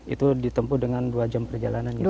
itu ditempu dengan dua jam perjalanan